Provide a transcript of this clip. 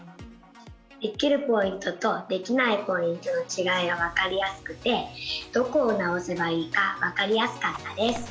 できるポイントとできないポイントのちがいが分かりやすくてどこを直せばいいか分かりやすかったです。